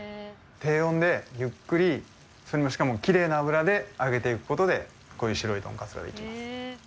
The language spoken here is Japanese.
低温でゆっくりそれもしかもきれいな油で揚げていく事でこういう白いトンカツができます。